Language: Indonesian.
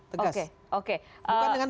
oke oke bukan dengan